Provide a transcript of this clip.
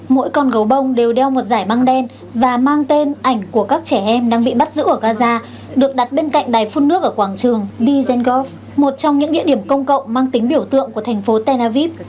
mỗi con gấu bông đều đeo một giải băng đen và mang tên ảnh của các trẻ em đang bị bắt giữ ở gaza được đặt bên cạnh đài phun nước ở quảng trường dizengov một trong những địa điểm công cộng mang tính biểu tượng của thành phố tel aviv